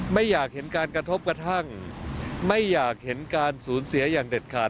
ไม่อยากเห็นการกระทบกระทั่งไม่อยากเห็นการสูญเสียอย่างเด็ดขาด